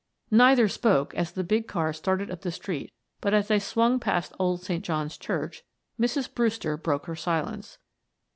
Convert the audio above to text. Neither spoke as the big car started up the street but as they swung past old St. John's Church, Mrs. Brewster broke her silence.